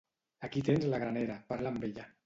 Aquí tens la granera, parla amb ella.